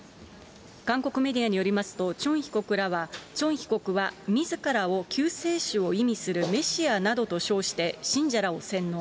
韓国メディアによりますと、チョン被告は、みずからを救世主を意味するメシアなどと称して信者らを洗脳。